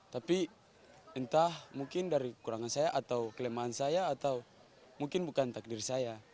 tapi entah mungkin dari kekurangan saya atau kelemahan saya atau mungkin bukan takdir saya